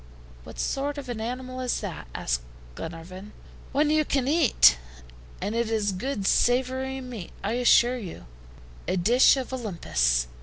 "What sort of an animal is that?" asked Glenarvan. "One you can eat." "And it is good savory meat, I assure you; a dish of Olympus!